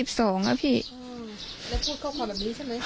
แล้วพูดข้อความแบบนี้ใช่ไหม